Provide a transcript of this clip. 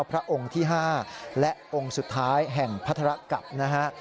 พระองค์ที่๕และองค์สุดท้ายแห่งพัฒระกับนะฮะ